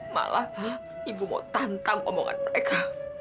malah ibu mau tantang omongan mereka